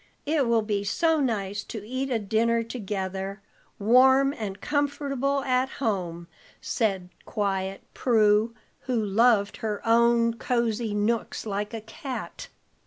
It will be so nice to eat dinner together, warm and comfortable at home," said quiet Prue, who loved her own cozy nooks like a cat.